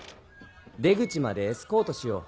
出口までエスコートしよう。